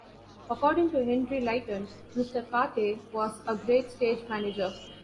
According to Henry Lytton, Mr. Carte was a great stage manager.